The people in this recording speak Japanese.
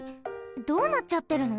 どうなっちゃってるの？